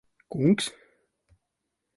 Kungs?